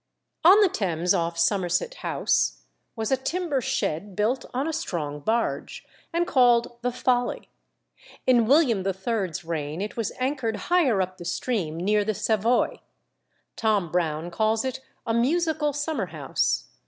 On the Thames, off Somerset House, was a timber shed built on a strong barge, and called "the Folly." In William III.'s reign it was anchored higher up the stream, near the Savoy. Tom Brown calls it "a musical summer house."